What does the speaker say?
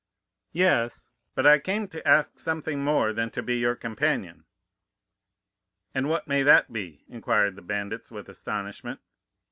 "'Yes, but I came to ask something more than to be your companion.' "'And what may that be?' inquired the bandits with astonishment.